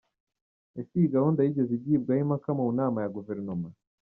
Ese iyi gahunda yigeze igibwaho impaka mu nama ya guverinoma ?